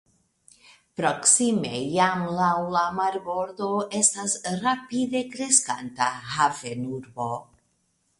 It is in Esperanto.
Proksime jam laŭ la marbordo estas rapide kreskanta havenurbo.